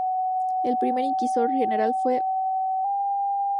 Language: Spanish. El primer inquisidor general fue Fr.